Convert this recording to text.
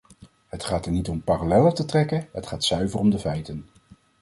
Het gaat er niet om parallellen te trekken, het gaat zuiver om de feiten.